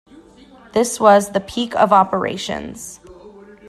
This was the peak of operations.